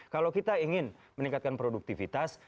kalau kita ingin meningkatkan produktivitas